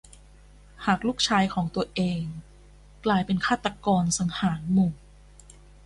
หากลูกชายของตัวเองกลายเป็นฆาตกรสังหารหมู่